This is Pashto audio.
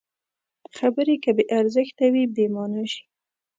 خبرې که بې ارزښته وي، بېمانا شي.